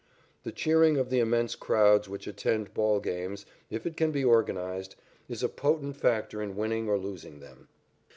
The cheering of the immense crowds which attend ball games, if it can be organized, is a potent factor in winning or losing them.